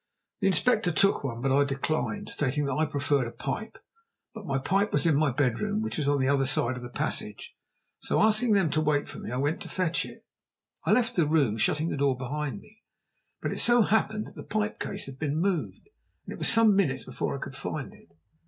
The Inspector took one, but I declined, stating that I preferred a pipe. But my pipe was in my bedroom, which was on the other side of the passage; so asking them to wait for me, I went to fetch it. I left the room, shutting the door behind me. But it so happened that the pipe case had been moved, and it was some minutes before I could find it.